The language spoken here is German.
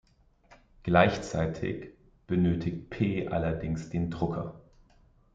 Gleichzeitig benötigt "p" allerdings den Drucker.